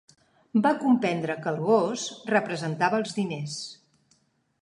Va comprendre que el gos representava els diners.